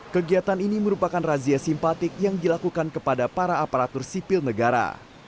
kegiatan ini merupakan razia simpatik yang dilakukan kepada para aparatur sipil negara